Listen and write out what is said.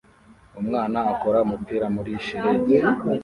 Umwana akora umupira muri shelegi